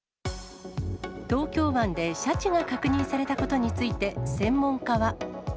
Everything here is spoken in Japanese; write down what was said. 東京湾でシャチが確認されたことについて、専門家は。